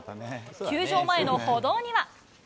球場前の歩道には。